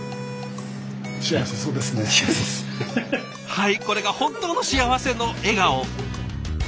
はいこれが本当の幸せの笑顔。